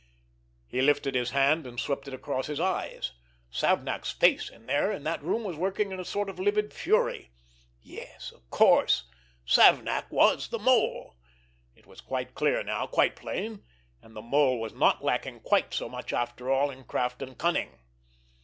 He lifted his hand and swept it across his eyes. Savnak's face in there in that room was working in a sort of livid fury. Yes, of course—Savnak was the Mole. It was quite clear now, quite plain—and the Mole was not lacking quite so much after all in craft and cunning!